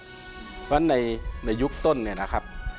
เพราะฉะนั้นในยุคต้นเนี่ยนะครับ